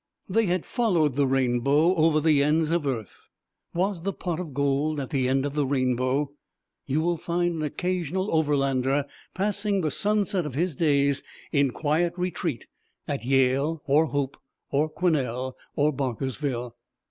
They had followed the rainbow over the ends of earth. Was the pot of gold at the end of the rainbow? You will find an occasional Overlander passing the sunset of his days in quiet retreat at Yale or Hope or Quesnel or Barkerville.